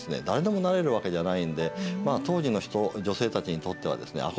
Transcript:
誰でもなれるわけじゃないんでまあ当時の人女性たちにとってはですね